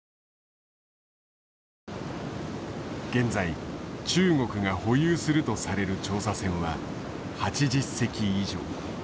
現在中国が保有するとされる調査船は８０隻以上。